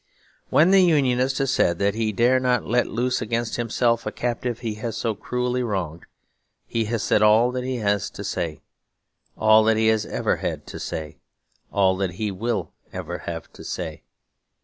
When the Unionist has said that he dare not let loose against himself a captive he has so cruelly wronged, he has said all that he has to say; all that he has ever had to say; all that he will ever have to say.